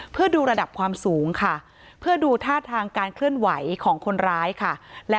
เพื่อดูระดับความสูงค่ะเพื่อดูท่าทางการเคลื่อนไหวของคนร้ายค่ะ